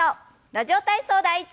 「ラジオ体操第１」。